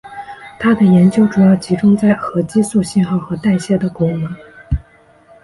他的研究主要集中在核激素信号和代谢的功能。